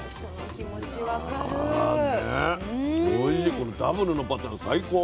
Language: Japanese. このダブルのパターン最高。